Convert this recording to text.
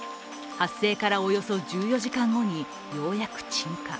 発生からおよそ１４時間後にようやく鎮火。